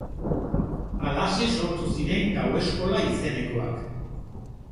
Halaxe sortu ziren gau-eskola izenekoak.